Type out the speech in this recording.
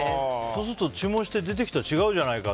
そうすると注文して出てきたら違うじゃないか！